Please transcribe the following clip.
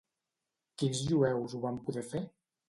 Quins jueus ho van poder fer?